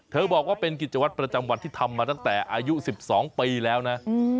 บอกว่าเป็นกิจวัตรประจำวันที่ทำมาตั้งแต่อายุ๑๒ปีแล้วนะ